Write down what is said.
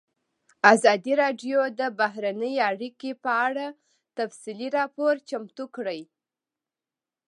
ازادي راډیو د بهرنۍ اړیکې په اړه تفصیلي راپور چمتو کړی.